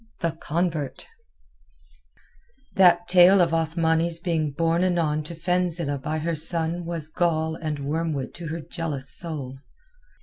THE CONVERT That tale of Othmani's being borne anon to Fenzileh by her son was gall and wormwood to her jealous soul.